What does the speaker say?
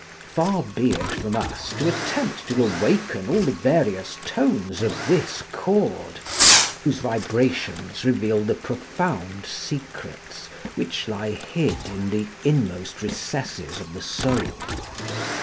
Far be it from us to attempt to awaken all the various tones of this chord, whose vibrations reveal the profound secrets which lie hid in the inmost recesses of the soul.